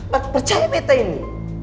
lu percaya bete ini